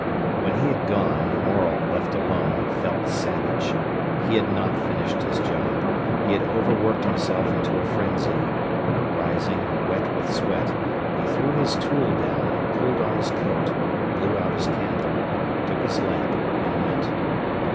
When he had gone, Morel, left alone, felt savage. He had not finished his job. He had overworked himself into a frenzy. Rising, wet with sweat, he threw his tool down, pulled on his coat, blew out his candle, took his lamp, and went.